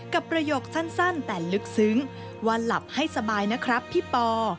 ประโยคสั้นแต่ลึกซึ้งว่าหลับให้สบายนะครับพี่ปอ